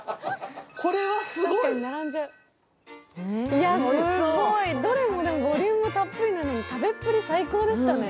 いや、すごい、どれもボリュームたっぷりなのに食べっぷり、最高でしたね。